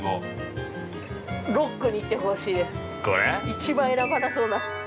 ◆一番選ばなそうな。